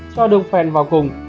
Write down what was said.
cho đường phèn vào cùng